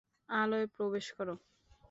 আলোয় প্রবেশ করো।